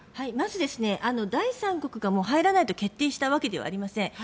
まず、第三国が入らないと決定したわけではありません。